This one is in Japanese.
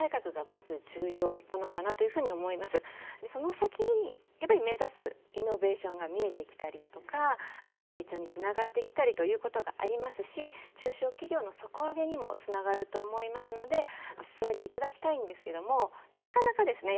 でその先にやっぱり目指すイノベーションが見えてきたりだとか成長につながってきたりということがありますし中小企業の底上げにもつながると思いますので進めていただきたいんですけどもなかなかですね